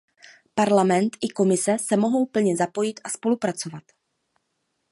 Parlament i Komise se mohou plně zapojit a spolupracovat.